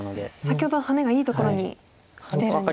先ほどのハネがいいところにきてるんですか。